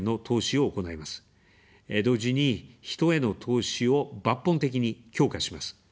同時に、人への投資を抜本的に強化します。